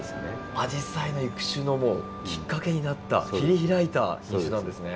アジサイの育種のもうきっかけになった切り開いた品種なんですね。